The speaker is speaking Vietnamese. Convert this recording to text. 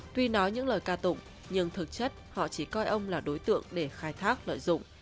tuy nói những lời ca tụng nhưng thực chất họ chỉ coi ông là đối tượng để khai thác lợi dụng